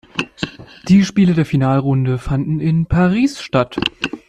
Die Spiele der Finalrunde fanden in Paris statt.